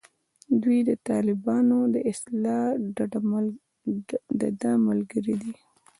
دوی د طالبانو په اصطلاح دده ملګري دي.